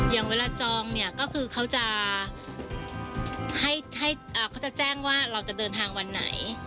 อย่างเวลาจองก็คือเขาจะแจ้งว่าเราจะเดินทางวันไหน